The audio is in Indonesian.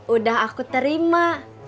udah aku terima